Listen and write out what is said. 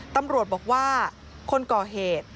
ตำรวจบอกว่าคนก่อเหตุ